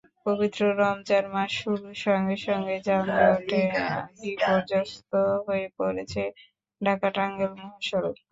পবিত্র রমজান মাস শুরুর সঙ্গে সঙ্গেই যানজটে বিপর্যস্ত হয়ে পড়েছে ঢাকা-টাঙ্গাইল মহাসড়ক।